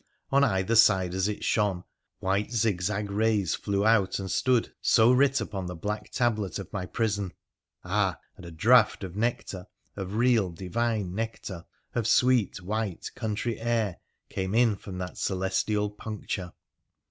On either side as it shone, white zigzag rays flew out and stood so writ upon the black tablet of my prison. Ah ! and a draught of nectar, of real, divine nectar, of sweet white country air, came in from that celestial puncture